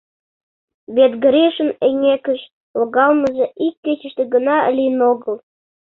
Вет Гришын эҥгекыш логалмыже ик кечыште гына лийын огыл.